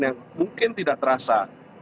yang mungkin tidak terasa